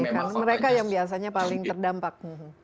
karena memang mereka yang biasanya paling terdampak